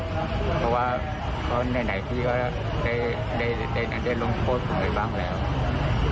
เพราะว่าเพราะไหนพี่ก็ได้ลงโทษผมไปบ้างแล้ว